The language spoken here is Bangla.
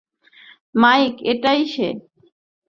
মাইক, এটাই সে।